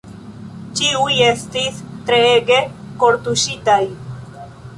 Ĉiuj estis treege kortuŝitaj.